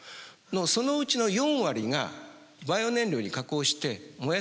そのうちの４割がバイオ燃料に加工して燃やされてしまってるんですね。